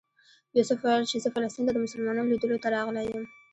یوسف ویل چې زه فلسطین ته د مسلمانانو لیدلو ته راغلی یم.